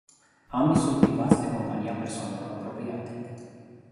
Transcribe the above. Ambii sunt privați de compania persoanelor apropiate.